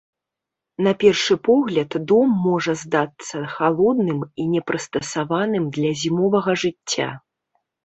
На першы погляд дом можа здацца халодным і не прыстасаваным для зімовага жыцця.